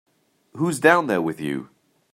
Who's down there with you?